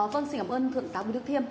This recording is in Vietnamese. vâng xin cảm ơn thượng tá bùi đức thiêm